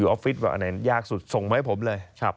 อันไหนยากสุดส่งมาให้ผมเลย